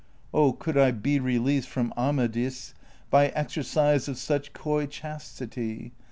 Oh, could I be released from Amadis By exercise of such coy chastity • V.